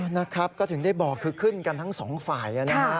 นะครับก็ถึงได้บอกคือขึ้นกันทั้งสองฝ่ายนะฮะ